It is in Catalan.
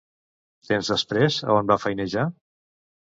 Temps després, a on va feinejar?